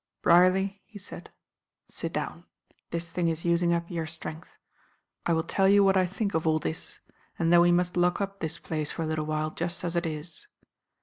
"Brierly," he said, "sit down; this thing is using up your strength. I will tell you what I think of all this, and then we must lock up this place for a little while just as it is."